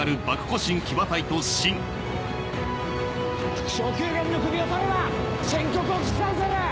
副将・宮元の首を取れば戦局を覆せる！